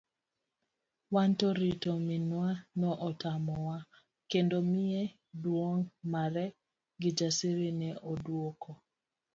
Wanto rito minwa no otamowa kendo miye duong' mare, Kijasiri ne oduoko.